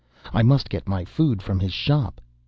I must get my food from his shop.